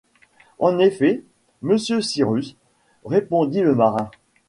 En effet, monsieur Cyrus, répondit le marin.